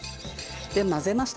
混ぜました。